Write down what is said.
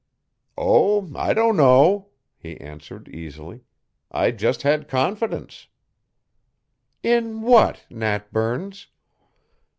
"Oh, I don't know," he answered easily. "I just had confidence " "In what, Nat Burns?